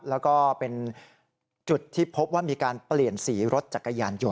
แล้วก็เป็นจุดที่พบว่ามีการเปลี่ยนสีรถจักรยานยนต